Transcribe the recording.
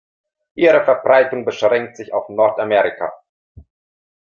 Ihre Verbreitung beschränkt sich auf Nordamerika.